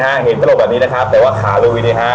เพราะว่าคนแบบแบบนี่แต่ว่าขาดูวีดีฮะ